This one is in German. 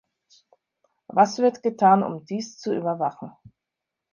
Was wird getan, um dies zu überwachen?